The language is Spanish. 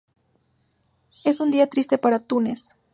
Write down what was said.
Es un día triste para Túnez".